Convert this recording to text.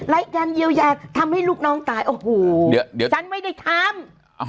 การเยียวยาทำให้ลูกน้องตายโอ้โหเดี๋ยวฉันไม่ได้ทำ